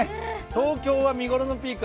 東京は見頃のピーク